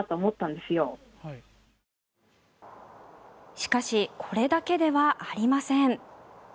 しかしこれだけではありません。